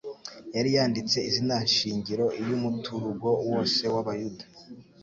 yari yanditse izina shingiro iy'umuturugo wose w'Abayuda.